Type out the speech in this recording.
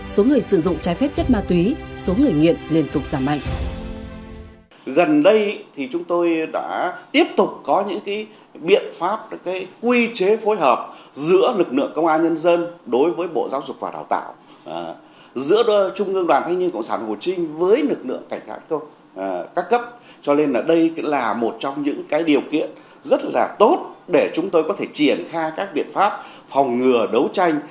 số người sử dụng trái phép chất ma túy số người nghiện liên tục giảm mạnh